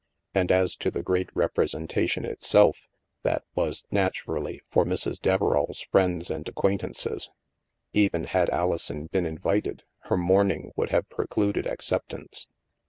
And as to the great representation it self, that was, naturally, for Mrs. Deverall's friends and acquaintances. Even had Alison been invited, her mourning would have precluded acceptance.